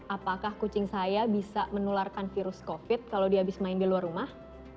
apakah kucing saya bisa menularkan virus covid kalau dia habis main di luar rumah